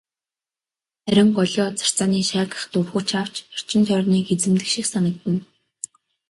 Харин голио царцааны шаагих дуу хүч авч бүх орчин тойрныг эзэмдэх шиг санагдана.